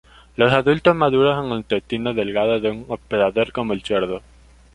Los adultos maduran en el intestino delgado de un hospedador como el cerdo.